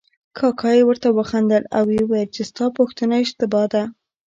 کاکا یې ورته وخندل او ویې ویل چې ستا پوښتنه اشتباه ده.